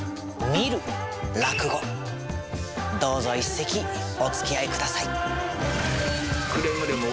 どうぞ一席おつきあいください。